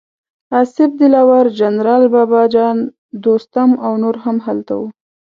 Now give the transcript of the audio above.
اصف دلاور، جنرال بابه جان، دوستم او نور هم هلته وو.